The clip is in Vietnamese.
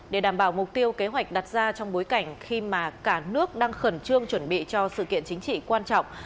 để đảm bảo mục tiêu kế hoạch đặt ra trong bối cảnh khi mà cả nước đang khẩn trương chuẩn bị cho sự kiện chính trị quan trọng